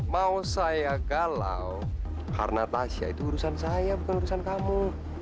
mau saya galau karena tasya itu urusan saya bukan urusan kamu